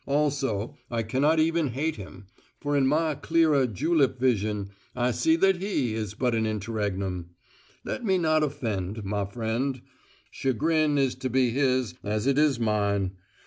Also, I cannot even hate him, for in my clearer julep vision I see that he is but an interregnum. Let me not offend my friend: chagrin is to be his as it is mine.